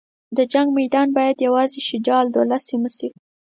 د جنګ میدان باید یوازې د شجاع الدوله سیمه شي.